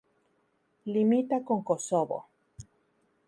Limita con Kosovo.